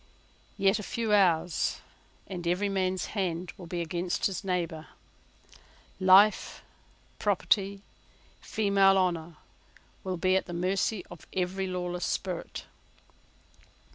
Yet a few hours, and every man's hand will be against his neighbour. Life, property, female honour, will be at the mercy of every lawless spirit.